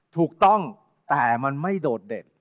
ถูกต้องแต่มันไม่โดดเด่น